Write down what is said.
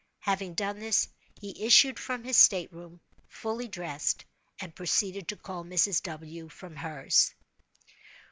Having done this, he issued from his state room, fully dressed, and proceeded to call Mrs. W. from hers.